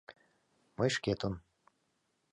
Мый шкетын...